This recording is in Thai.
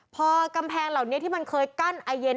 พอกำแพงเหล่านี้ที่มันเคยกั้นไอเย็น